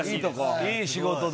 いい仕事だ。